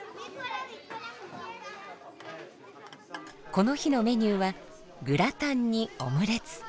この日のメニューはグラタンにオムレツ。